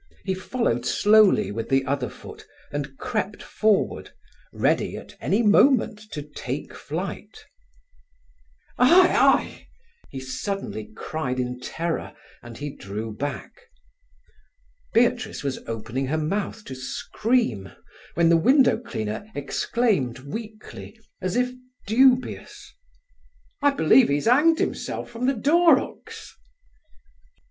He followed slowly with the other foot, and crept forward, ready at any moment to take flight. "Hie, hie!" he suddenly cried in terror, and he drew back. Beatrice was opening her mouth to scream, when the window cleaner exclaimed weakly, as if dubious: "I believe 'e's 'anged 'imself from the door 'ooks!"